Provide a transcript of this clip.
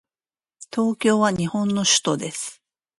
東京は日本の首都です。